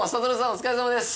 お疲れさまです。